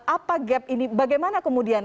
apa gap ini bagaimana kemudian